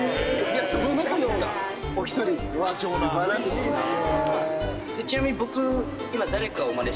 素晴らしいですね。